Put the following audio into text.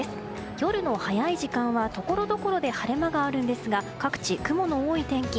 夜の早い時間はところどころで晴れ間があるんですが各地、雲の多い天気。